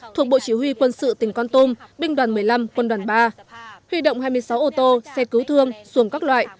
thuộc bộ chỉ huy quân sự tỉnh con tum binh đoàn một mươi năm quân đoàn ba huy động hai mươi sáu ô tô xe cứu thương xuồng các loại